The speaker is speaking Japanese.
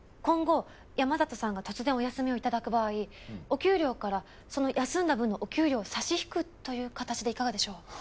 今後山里さんが突然お休みを頂く場合お給料からその休んだ分のお給料を差し引くという形でいかがでしょう？